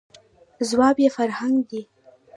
، ځواب یې «فرهنګ» دی.